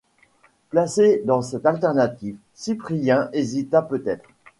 Placé dans cette alternative, Cyprien hésita peut-être